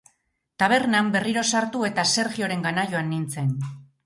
Tabernan berriro sartu eta Sergiorengana joan nintzen.